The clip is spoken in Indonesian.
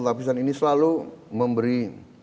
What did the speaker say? lapisan ini selalu memberi